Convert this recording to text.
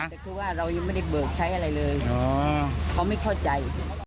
แต่คือว่าเรายังไม่ได้เบิกใช้อะไรเลยเขาไม่เข้าใจ